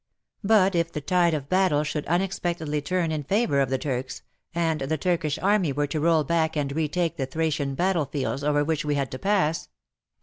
But if the tide of battle should unexpectedly turn in favour of the Turks, and the Turkish army were to roll back and re take the Thracian battlefields over which we had to pass I